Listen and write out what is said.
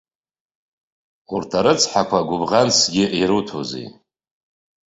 Урҭ арыцҳақәа гәыбӷансгьы ируҭози.